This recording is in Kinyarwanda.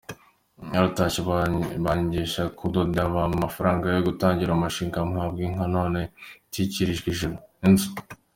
Naratashye banyigisha kudoda, bampa amafaranga yo gutangira umushinga, mpabwa inka, none nshyikirijwe inzu.